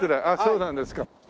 ああそうなんですか。